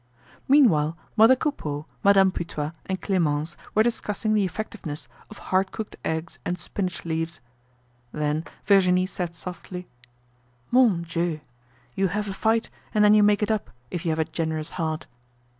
Meanwhile mother Coupeau, Madame Putois and Clemence were discussing the effectiveness of hard cooked eggs and spinach leaves. Then Virginie said softly: "Mon Dieu! you have a fight, and then you make it up, if you have a generous heart."